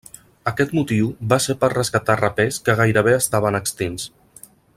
Aquest motiu va ser per rescatar rapers que gairebé estaven extints.